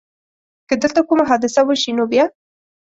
که دلته کومه حادثه وشي نو بیا؟